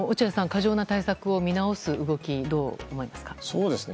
過剰な対策を見直す動きどう思いますか？